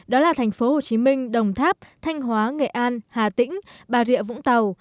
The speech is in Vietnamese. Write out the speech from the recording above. đó là thành phố hồ chí minh đồng tháp thanh hóa nghệ an hà tĩnh bà rịa vũng tàu